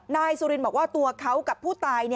นายสุรินบอกว่าตัวเขากับผู้ตาย